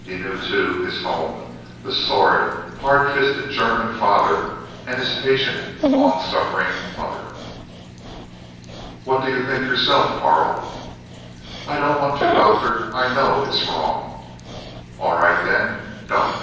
He knew, too, his home the sordid, hard fisted German father and his patient, long suffering mother. "What do you think yourself, Karl?" "I don't want to, Doctor. I know it is wrong." "All right then, don't."